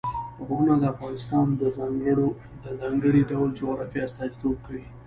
غرونه د افغانستان د ځانګړي ډول جغرافیه استازیتوب کوي.